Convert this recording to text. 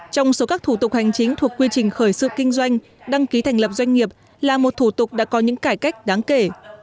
trong số các thủ tục hành chính thuộc quy trình khởi sự kinh doanh đăng ký thành lập doanh nghiệp là một thủ tục đã có những cải cách đáng kể